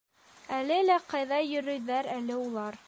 Әле лә ҡайҙа йөрөйҙәр әле улар?